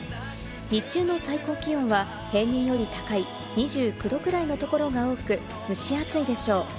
日中の最高気温は平年より高い２９度くらいのところが多く、蒸し暑いでしょう。